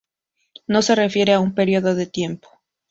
No se refiere a un período de tiempo.